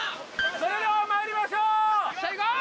それではまいりましょうさあいこう！